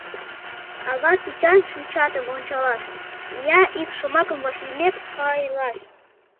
Ала кечан шинчатым ончалаш, Я ик шомакым вашлиймек пайлаш.